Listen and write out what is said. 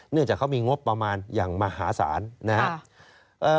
เนื่องจากเขามีงบประมาณอย่างมหาศาลนะครับ